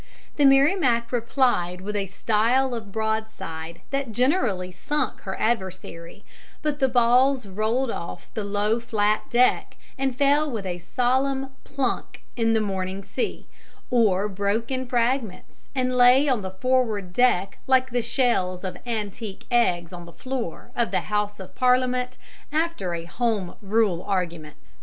The Merrimac replied with a style of broadside that generally sunk her adversary, but the balls rolled off the low flat deck and fell with a solemn plunk in the moaning sea, or broke in fragments and lay on the forward deck like the shells of antique eggs on the floor of the House of Parliament after a Home Rule argument.